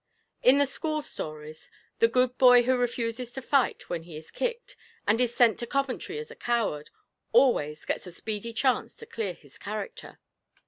In the school stories, the good boy who refuses to fight when he is kicked, and is sent to Coventry as a coward, always gets a speedy chance to clear his character.